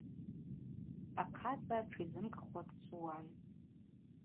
Ахъацӏа тшизымкӏхуа дчӏвыуан.